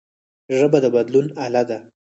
ژبه د بدلون اله ده